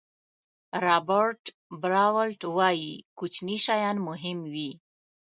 رابرټ براولټ وایي کوچني شیان مهم وي.